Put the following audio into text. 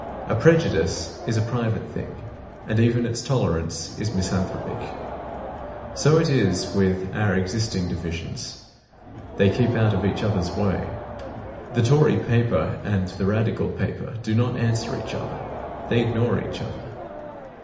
A prejudice is a private thing, and even its tolerance is misanthropic. So it is with our existing divisions. They keep out of each other's way; the Tory paper and the Radical paper do not answer each other; they ignore each other.